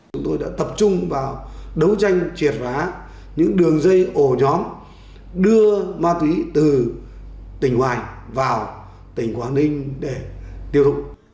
chúng tôi đã tập trung vào đấu tranh triệt phá những đường dây ổ nhóm đưa ma túy từ tỉnh ngoài vào tỉnh quảng ninh để tiêu thụ